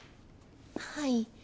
はい。